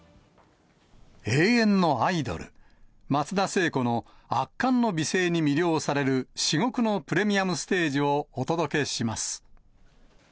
永遠のアイドル、松田聖子の圧巻の美声に魅了される至極のプレミアムステージをお届けします。